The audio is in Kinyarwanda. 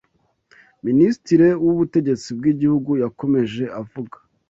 Minisitiri w’Ubutegetsi bw’Igihugu yakomeje avuga